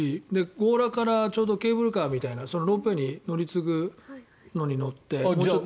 強羅からちょうどケーブルカーみたいなロープウェーに乗り継ぐのに乗って。